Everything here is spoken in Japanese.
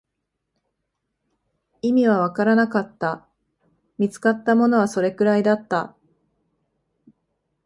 意味はわからなかった、見つかったものはそれくらいだった